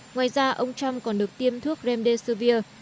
ngoài ra ông trump còn được tiêm thuốc remdesivir